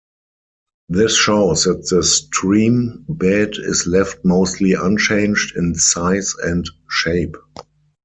This shows that the stream bed is left mostly unchanged in size and shape.